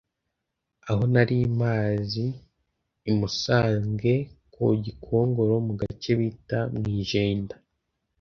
aho nari mpazi i Musange ku Gikongoro mu gace bita mu Ijenda